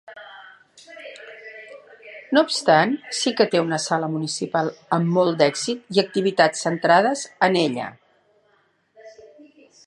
No obstant, sí que té una sala municipal amb molt d'èxit i activitats centrades en ella.